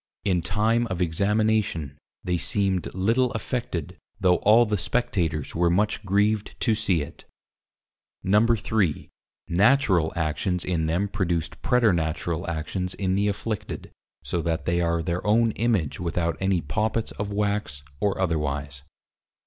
In Time of Examination, they seemed little affected, though all the Spectators were much grieved to see it. 3. Natural Actions in them produced Preternatural actions in the Afflicted, so that they are their own Image without any Poppits of Wax or otherwise.